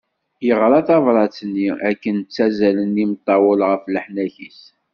Yeɣra tabrat-nni akken ttazzalen imeṭṭawen ɣef leḥnak-is.